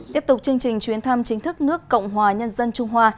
tiếp tục chương trình chuyến thăm chính thức nước cộng hòa nhân dân trung hoa